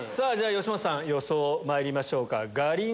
よしまささん予想まいりましょうか。